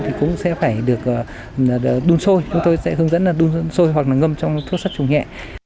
thì cũng sẽ phải được đun sôi chúng tôi sẽ hướng dẫn đun sôi hoặc là ngâm trong thuốc sắt trùng nhẹ